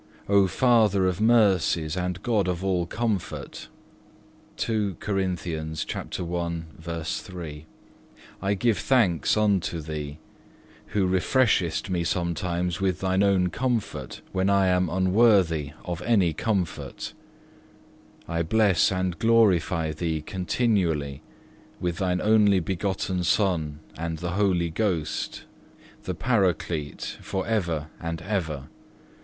O, Father of Mercies and God of all comfort,(1) I give thanks unto Thee, who refreshest me sometimes with thine own comfort, when I am unworthy of any comfort. I bless and glorify Thee continually, with thine only begotten Son and the Holy Ghost, the Paraclete, for ever and ever.